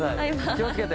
気を付けて。